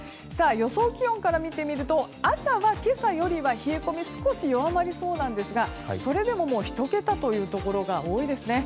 予想気温から見てみると朝は、今朝よりは冷え込み少し弱まりそうなんですがそれでも１桁というところが多いですね。